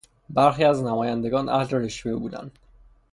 برخی از نمایندگان اهل رشوه بودند.